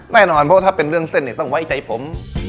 แน่นอนเพราะว่าถ้าเป็นเรื่องเส้นเนี่ยต้องไว้ใจผม